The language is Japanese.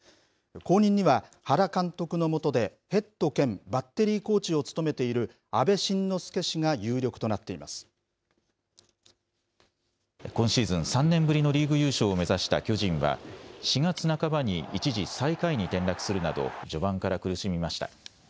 後任には、原監督の下でヘッド兼バッテリーコーチを務めている阿部慎之助氏今シーズン、３年ぶりのリーグ優勝を目指した巨人は４月半ばに一時最下位に転落するなど、序盤から苦しみました。